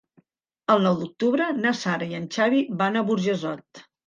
El nou d'octubre na Sara i en Xavi van a Burjassot.